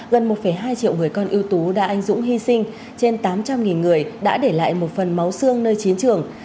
gần một hai triệu người con ưu tú đã anh dũng hy sinh trên tám trăm linh người đã để lại một phần máu xương nơi chiến trường